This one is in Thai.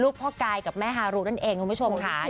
พ่อกายกับแม่ฮารุนั่นเองคุณผู้ชมค่ะ